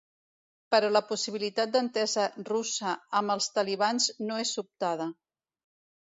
Però la possibilitat d’entesa russa amb els talibans no és sobtada.